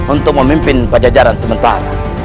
untuk memimpin pada jajaran sementara